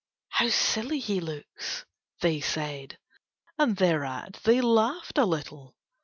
"How silly he looks," they said, and thereat they laughed a little.